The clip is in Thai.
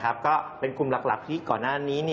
ก็เป็นกลุ่มหลักที่ก่อนหน้านี้